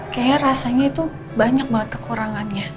kayaknya rasanya itu banyak banget kekurangannya